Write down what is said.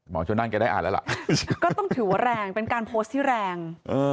ชนนั่นแกได้อ่านแล้วล่ะก็ต้องถือว่าแรงเป็นการโพสต์ที่แรง